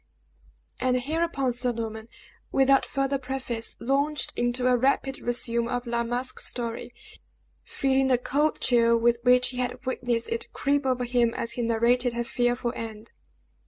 And hereupon Sir Norman, without farther preface, launched into a rapid resume of La Masque's story, feeling the cold chill with which he had witnessed it creep over him as he narrated her fearful end.